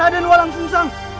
raden walang sungsang